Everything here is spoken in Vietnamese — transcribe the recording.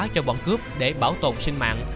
cho bọn cướp để bảo tồn sinh mạng